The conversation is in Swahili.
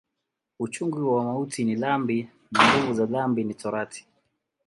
Uchungu wa mauti ni dhambi, na nguvu za dhambi ni Torati.